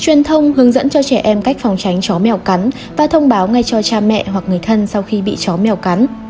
truyền thông hướng dẫn cho trẻ em cách phòng tránh chó mèo cắn và thông báo ngay cho cha mẹ hoặc người thân sau khi bị chó mèo cắn